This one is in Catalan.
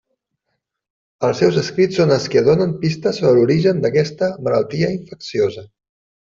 Els seus escrits són els que donen pistes sobre l'origen d'aquesta malaltia infecciosa.